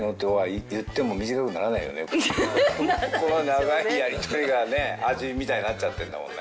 長いやりとりが味みたいになっちゃってんだもんね。